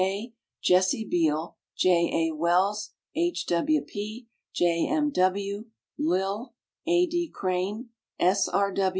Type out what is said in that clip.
W. K., Jessie Beal, J. A. Wells, H. W. P., J. M. W., Lil, A. D. Crane, S. R.